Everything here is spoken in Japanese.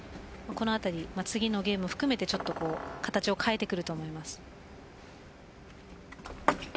このあたり次のゲームを含めて形を変えてくると思います。